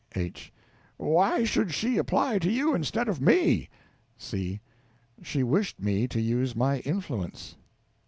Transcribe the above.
H. Why should she apply to you instead of me? C. She wished me to use my influence.